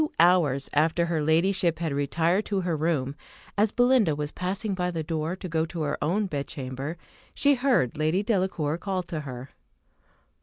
Two hours after her ladyship had retired to her room, as Belinda was passing by the door to go to her own bedchamber, she heard Lady Delacour call to her.